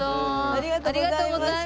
ありがとうございます。